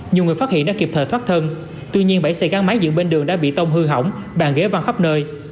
nhiều người phát hiện đã kịp thời thoát thân tuy nhiên bảy xe gắn máy dựng bên đường đã bị tông hư hỏng bàn ghế văng khắp nơi